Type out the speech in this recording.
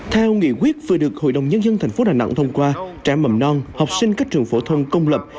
theo nghị quyết vừa được hội đồng nhân dân tp đà nẵng thông qua trẻ mầm non học sinh các trường phổ thông công lập